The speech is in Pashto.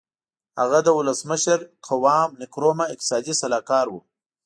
هغه د ولسمشر قوام نکرومه اقتصادي سلاکار و.